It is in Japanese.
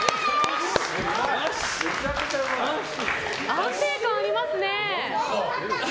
安定感ありますね。